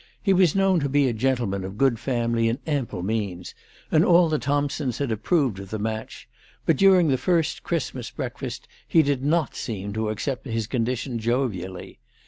He was known to be a gentleman of good family and ample means, and all the Thompsons had approved of the match, but during the first Christmas breakfast he did not seem to accept his condition jovially.